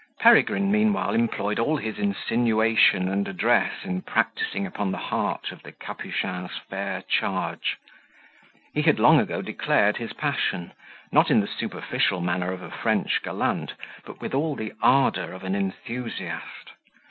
Peregrine, meanwhile, employed all his insinuation and address in practising upon the heart of the Capuchin's fair charge. He had long ago declared his passion, not in the superficial manner of a French gallant, but with all the ardour of an enthusiast.